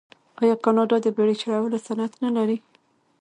آیا کاناډا د بیړۍ چلولو صنعت نلري؟